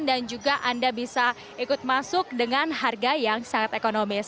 dan juga anda bisa ikut masuk dengan harga yang sangat ekonomis